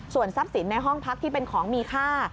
ส่วนทรัพย์สินในห้องพักที่เป็นของมีค่า